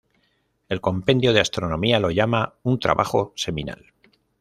El Compendio de Astronomía lo llama un "trabajo seminal".